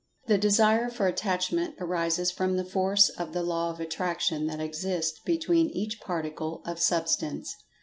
The Desire for Attachment arises from the force of the Law of Attraction that exists between each Particle of Substance.